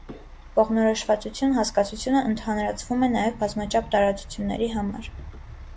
Կողմնորոշվածություն հասկացությունը ընդհանրացվում է նաև բազմաչափ տարածությունների համար։